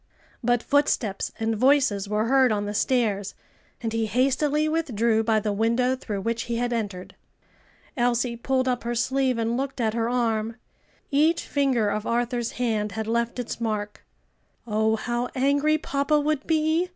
But footsteps and voices were heard on the stairs, and he hastily withdrew by the window through which he had entered. Elsie pulled up her sleeve and looked at her arm. Each finger of Arthur's hand had left its mark. "Oh, how angry papa would be!"